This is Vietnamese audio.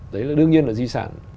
đấy đương nhiên là di sản